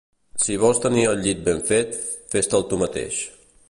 Si vols tenir el llit ben fet, fes-te'l tu mateix.